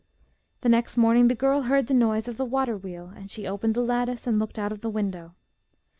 The next morning the girl heard the noise of the waterwheel, and she opened the lattice and looked out of the window.